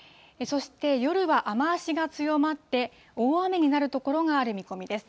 そして夜は雨足が強まって、大雨になる所がある見込みです。